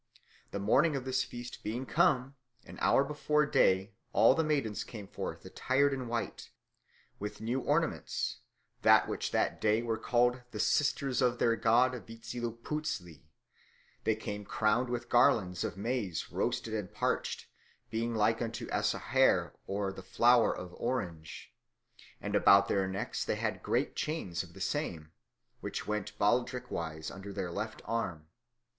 The morning of this feast being come, an hour before day all the maidens came forth attired in white, with new ornaments, the which that day were called the Sisters of their god Vitzilipuztli, they came crowned with garlands of maize roasted and parched, being like unto azahar or the flower of orange; and about their necks they had great chains of the same, which went bauldrick wise under their left arm.